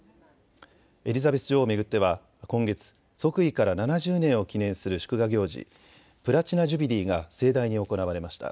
エリザベス女王を巡っては今月、即位から７０年を記念する祝賀行事、プラチナ・ジュビリーが盛大に行われました。